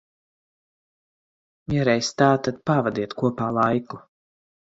Ja reiz tā, tad pavadiet kopā laiku.